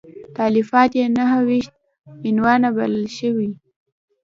تالیفات یې نهه ویشت عنوانه بلل شوي.